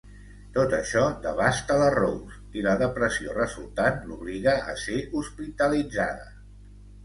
Tot això devasta la Rose, i la depressió resultant l'obliga a ser hospitalitzada.